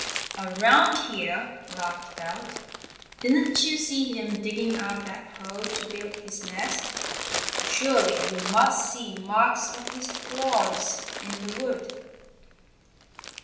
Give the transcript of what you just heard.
"Around here!" laughed Belt. "Didn't you see him digging out that hole to build his nest? Surely you must see marks of his claws in the wood."